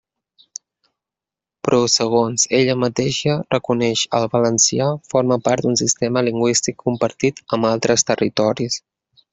Però segons ella mateixa reconeix, el valencià forma part d'un sistema lingüístic compartit amb altres territoris.